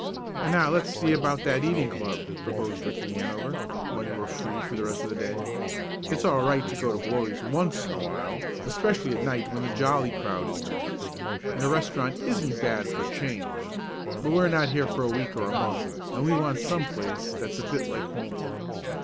"And now let's see about that eating club," proposed Ricky Hanover, when they were free for the rest of the day. "It's all right to go to Glory's once in a while especially at night when the jolly crowd is there, and a restaurant isn't bad for a change but we're not here for a week or a month, and we want some place that's a bit like home."